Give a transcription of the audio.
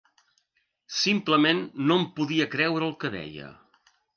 Simplement no em podia creure el que veia.